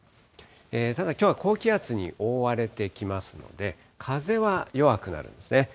ただきょうは高気圧に覆われてきますので、風は弱くなるんですね。